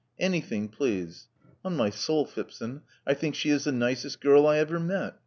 Anything, please. On my soul, Phipson, I think she is the nicest girl I ever met.